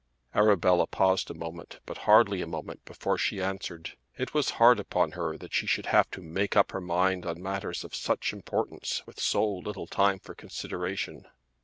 Arabella paused a moment but hardly a moment before she answered. It was hard upon her that she should have to make up her mind on matters of such importance with so little time for consideration.